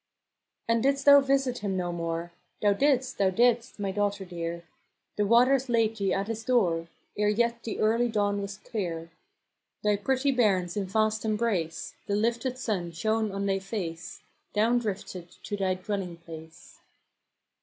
And didst thou visit him no more ? Thou didst, thou didst, my daughter deare, The waters laid thee at his doore, Ere yet the early dawn was clear. Thy pretty bairns in fast embrace, The lifted sun shone on thy face Downe drifted to thy dwelling place.